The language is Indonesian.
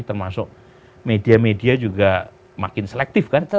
termasuk media media juga makin selektif kan